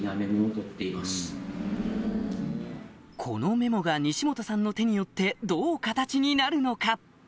このメモが西本さんの手によってどう形になるのか？